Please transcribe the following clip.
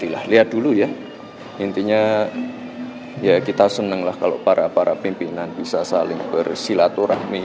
lah lihat dulu ya intinya ya kita senang lah kalau para para pimpinan bisa saling bersilaturahmi